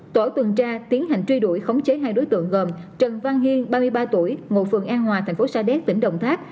tổ tuần tra tiến hành truy đuổi khống chế hai đối tượng gồm trần văn hiên ba mươi ba tuổi ngụ phường an hòa thành phố sa đéc tỉnh đồng tháp